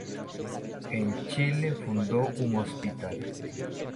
En Chile fundó un hospital.